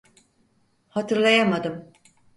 Hatırlayamadım.